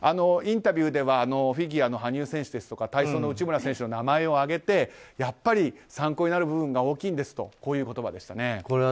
インタビューではフィギュアの羽生選手ですとか体操の内村選手の名前を挙げてやっぱり参考になる部分が大きいんですという言葉でした。